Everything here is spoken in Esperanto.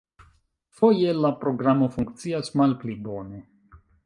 Foje la programo funkcias malpli bone.